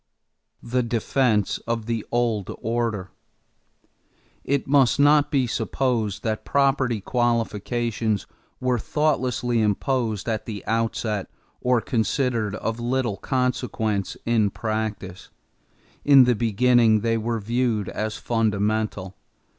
=The Defense of the Old Order.= It must not be supposed that property qualifications were thoughtlessly imposed at the outset or considered of little consequence in practice. In the beginning they were viewed as fundamental.